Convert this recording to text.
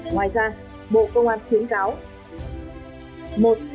ngoài ra bộ công an khuyến cáo